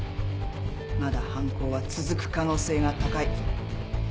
まだ犯行は続く可能性が高い。